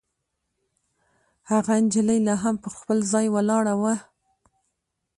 هغه نجلۍ لا هم پر خپل ځای ولاړه وه.